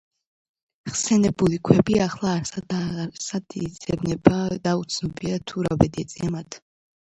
ხსენებული ქვები ახლა არსად აღარსად იძებნება და უცნობია თუ რა ბედი ეწია მათ.